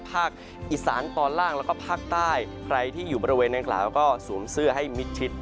ภาคอีสานตอนล่างแล้วก็ภาคใต้ใครที่อยู่บริเวณนางกล่าวก็สวมเสื้อให้มิดชิด